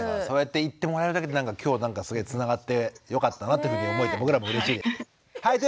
そうやって言ってもらえるだけで今日なんかすげえつながってよかったなっていうふうに思えて僕らもうれしいです。